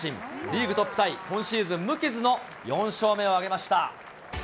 リーグトップタイ、今シーズン無傷の４勝目を挙げました。